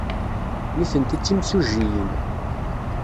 Nitenti d timsujjiyin.